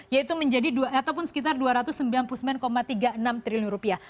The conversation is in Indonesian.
yaitu menjadi ataupun sekitar dua ratus sembilan puluh sembilan tiga puluh enam triliun rupiah